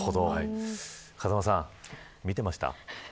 風間さん見ていました。